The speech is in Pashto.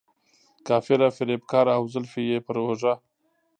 کافره، فریب کاره او زلفې یې پر اوږه.